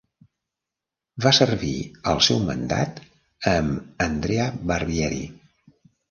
Va servir el seu mandat amb Andrea Barbieri.